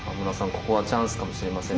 ここはチャンスかもしれませんね。